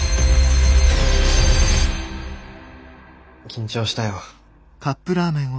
緊張したよ。